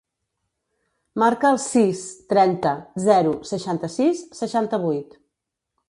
Marca el sis, trenta, zero, seixanta-sis, seixanta-vuit.